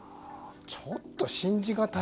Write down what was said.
ちょっと信じがたい。